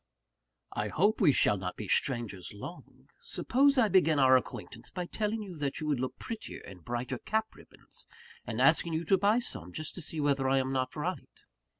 "I hope we shall not be strangers long. Suppose I begin our acquaintance, by telling you that you would look prettier in brighter cap ribbons, and asking you to buy some, just to see whether I am not right?"